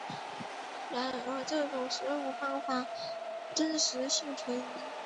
然而这种食用方法真实性存疑。